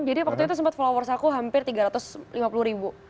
jadi waktu itu sempat followers aku hampir tiga ratus lima puluh ribu